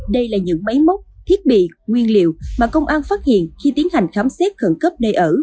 đây là những máy móc thiết bị nguyên liệu mà công an phát hiện khi tiến hành khám xét khẩn cấp nơi ở